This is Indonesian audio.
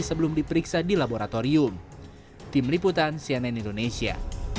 sebelum diperiksa di laboratorium tim liputan cnn indonesia